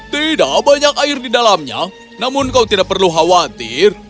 tidak banyak air di dalamnya namun kau tidak perlu khawatir